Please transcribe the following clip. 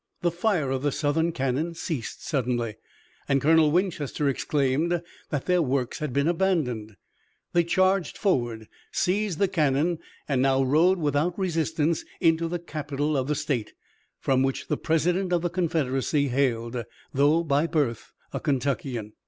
The fire of the Southern cannon ceased suddenly, and Colonel Winchester exclaimed that their works had been abandoned. They charged forward, seized the cannon, and now rode without resistance into the capital of the state, from which the President of the Confederacy hailed, though by birth a Kentuckian.